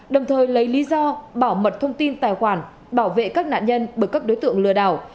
đồng thời lấy lý do bảo mật thông tin tài khoản bảo vệ các nạn nhân bởi các đối tượng lừa đảo